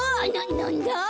なんだ？